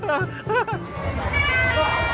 setelah itu ya